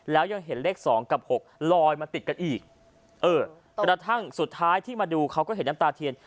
แล้วยังเห็นเลข๒กับ๖ลอยมาติดกันอีกเออกระทั่งสุดท้ายที่มาดูเขาก็เห็นน้ำตาเทียน